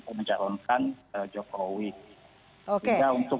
misalnya lah aneh aneh yang bisa ditarik dari anak